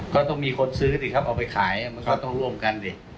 ก็ต้องมีคนซื้อดิครับเอาไปขายมันก็ต้องร่วมกันดิ